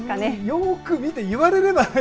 よく見て、言われればね。